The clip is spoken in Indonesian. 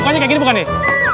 pokoknya kayak gini bukan nih